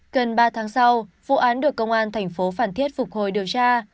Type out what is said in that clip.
gần ba tháng sau vụ án được công an thành phố phan thiết phục hồi điều tra